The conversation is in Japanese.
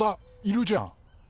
いるじゃん！